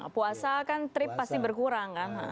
puasa kan trip pasti berkurang kan